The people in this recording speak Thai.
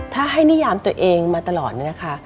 ถ้าให้นิยามตัวเองมาตลอดเนี่ยนะคะ